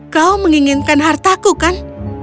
kau menginginkan hartaku kan